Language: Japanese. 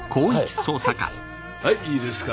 はいはいいいですか？